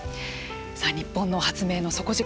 さあ、日本の発明の底力